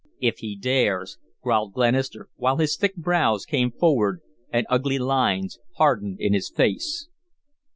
"If he dares," growled Glenister, while his thick brows came forward and ugly lines hardened in his face.